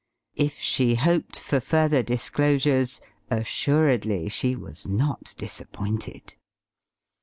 If she hoped for further disclosures assuredly she was not disappointed.